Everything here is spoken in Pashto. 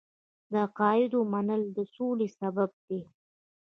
د عقایدو منل د سولې سبب دی.